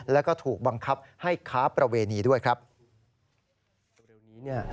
แล้วก็ถูกบังคับให้ค้าประเวณีด้วยครับ